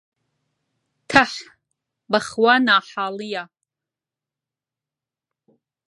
تەح، بەخوا ناحاڵییە